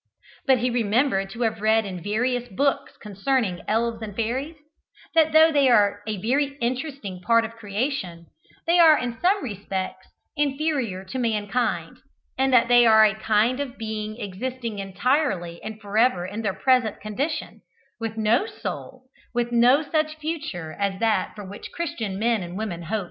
But he remembered to have read in various books concerning elves and fairies, that though they are a very interesting part of creation, they are in some respects inferior to mankind, and that they are a kind of being existing entirely and for ever in their present condition, with no soul and with no such future as that for which Christian men and women hope.